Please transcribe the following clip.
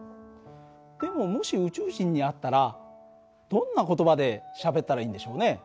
でももし宇宙人に会ったらどんな言葉でしゃべったらいいんでしょうね。